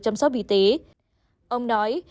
chăm sóc y tế ông nói